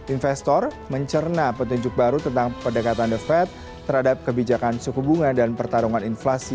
investor mencerna petunjuk baru tentang perdagangan the fed terhadap kebijakan suhubungan dan pertarungan inflasi